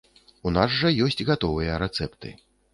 У нас жа ёсць гатовыя рэцэпты.